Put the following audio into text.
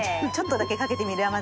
ちょっとだけかけて。